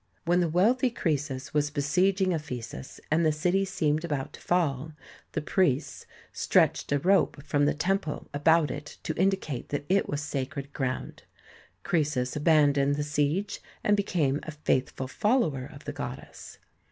When the wealthy Crcesus was besieging Ephesus, and the city seemed about to fall, the priests stretched a rope from the temple about it to indi cate that it was sacred ground. Crcesus aban doned the siege, and became a faithful follower of the goddess.